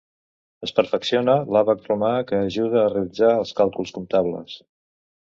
Es perfecciona l'àbac romà, que ajuda a realitzar els càlculs comptables.